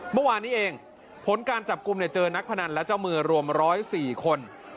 เมื่อวานนี้เองผลการจับกลุ่มเจอนักพนันและเจ้ามือรวม๑๐๔คน